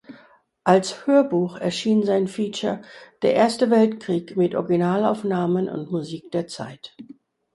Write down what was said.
Als Hörbuch erschien sein Feature "Der Erste Weltkrieg" mit Originalaufnahmen und Musik der Zeit.